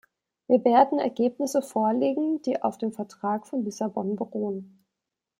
Wir werden Ergebnisse vorlegen, die auf dem Vertrag von Lissabon beruhen.